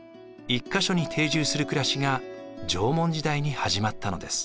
１か所に定住する暮らしが縄文時代に始まったのです。